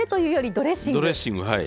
ドレッシングはい。